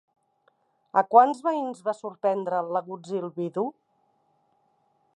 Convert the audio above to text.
A quants veïns va sorprendre l'agutzil vidu?